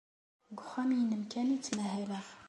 Deg uxxam-nnem kan ay ttmahaleɣ.